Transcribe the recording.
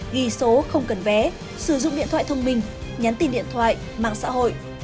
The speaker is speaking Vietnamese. ghi số không cần vé sử dụng điện thoại thông minh nhắn tin điện thoại mạng xã hội